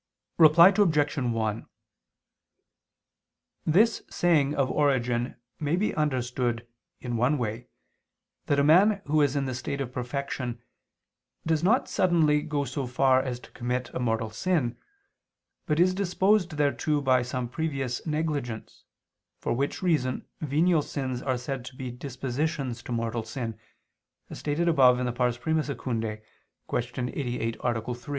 Reply Obj. 1: This saying of Origen may be understood, in one way, that a man who is in the state of perfection, does not suddenly go so far as to commit a mortal sin, but is disposed thereto by some previous negligence, for which reason venial sins are said to be dispositions to mortal sin, as stated above (I II, Q. 88, A. 3).